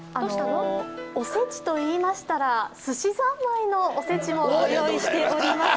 おせちと言いましたらすしざんまいのおせちもご用意しております。